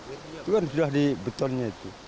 itu kan sudah di betonnya itu